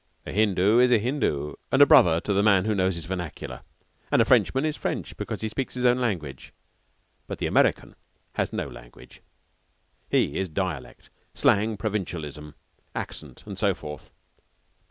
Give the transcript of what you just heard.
A Hindoo is a Hindoo and a brother to the man who knows his vernacular. And a Frenchman is French because he speaks his own language. But the American has no language. He is dialect, slang, provincialism, accent, and so forth.